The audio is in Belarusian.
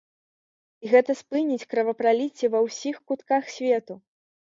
І гэта спыніць кровапраліцце ва ўсіх кутках свету!